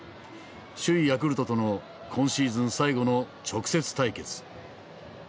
首位ヤクルトとの今シーズン最後の直接対決。